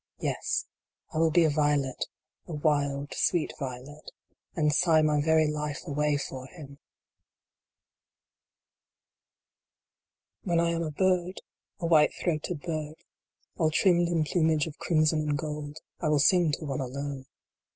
Yes, I will be a violet a wild sweet violet and sigh my very life away for him ! IV. When I am a bird a white throated bird all trimmed in plumage of crimson and gold, I will sing to one alone.